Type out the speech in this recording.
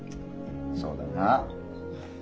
そうだな。